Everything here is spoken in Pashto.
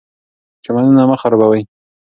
چمنونه مه خرابوئ.